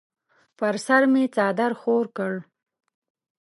پر سر مې څادر خور کړ.